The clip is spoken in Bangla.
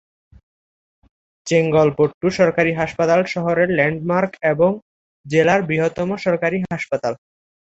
চেঙ্গলপট্টু সরকারি হাসপাতাল শহরের ল্যান্ডমার্ক এবং জেলার বৃহত্তম সরকারি হাসপাতাল।